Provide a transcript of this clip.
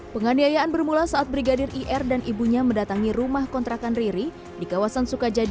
penganiayaan bermula saat brigadir ir dan ibunya mendatangi rumah kontrakan riri di kawasan sukajadi